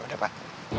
ya udah pak